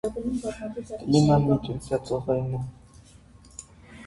Կլիման միջերկրածովային է։